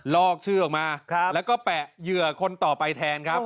อกชื่อออกมาแล้วก็แปะเหยื่อคนต่อไปแทนครับ